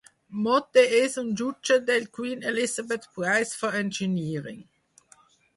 Mote és un jutge del Queen Elizabeth Prize for Engineering.